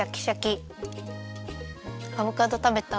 アボカドたべた？